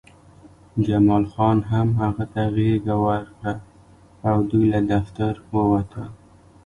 جمال خان هم هغه ته غېږه ورکړه او دوی له دفتر ووتل